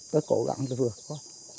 tôi cố gắng vượt qua